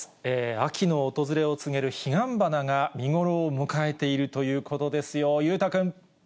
秋の訪れを告げる彼岸花が見頃を迎えているということですよ。